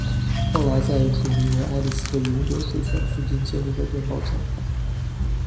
后来在一处名为爱丽斯的永久水泉附近建立了电报站。